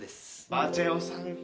バチェ男さんか。